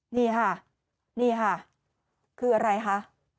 นี่ค่ะคืออะไรคะ